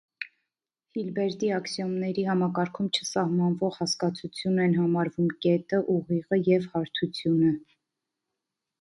Հիլբերտի աքսիոմների համակարգում, չսահմանվող հասկացություն են համարվում՝ կետը, ուղիղը և հարթությունը։